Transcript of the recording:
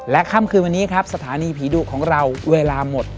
และคำคือวันนี้สถานีผีดูของเราเวลาหมด